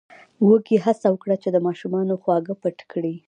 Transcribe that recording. وزې هڅه وکړه چې د ماشومانو خواږه پټ کړي.